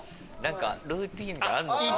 ルーティンがあるのかな。